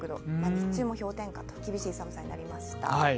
日中も氷点下、厳しい寒さになりました。